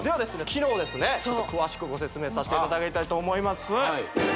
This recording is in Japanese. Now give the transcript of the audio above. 機能ですね詳しくご説明させていただきたいと思います